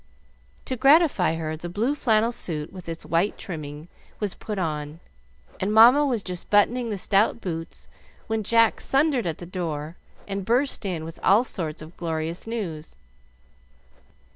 To gratify her, the blue flannel suit with its white trimming was put on, and Mamma was just buttoning the stout boots when Jack thundered at the door, and burst in with all sorts of glorious news.